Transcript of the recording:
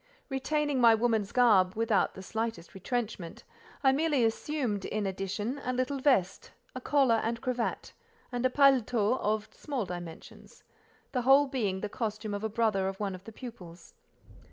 Retaining my woman's garb without the slightest retrenchment, I merely assumed, in addition, a little vest, a collar, and cravat, and a paletôt of small dimensions; the whole being the costume of a brother of one of the pupils.